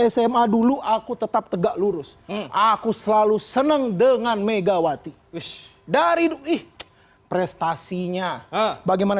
sma dulu aku tetap tegak lurus aku selalu seneng dengan megawati wish dari duih prestasinya bagaimana